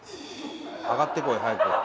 上がってこい早く。